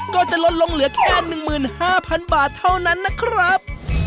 ก็จะลดลงเหลือแค่๑๕๐๐๐บาทเท่านั้นนะครับ